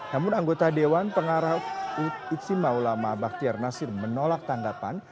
namun anggota dewan pengarah istimewa ulama baktiar nasir menolak tanggapan